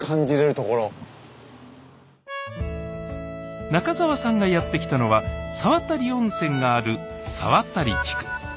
僕が中澤さんがやって来たのは沢渡温泉がある沢渡地区。